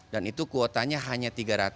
dan itu kuotanya hanya tiga ratus